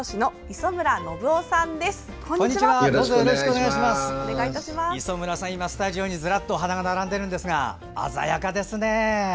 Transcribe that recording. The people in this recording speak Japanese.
磯村さん、今、スタジオにずらっとお花が並んでいますが鮮やかですね。